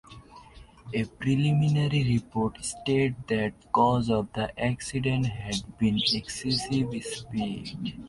A preliminary report stated that the cause of the accident had been excessive speed.